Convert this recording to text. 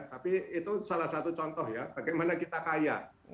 tapi itu salah satu contoh ya bagaimana kita kaya